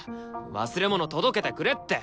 忘れ物届けてくれって。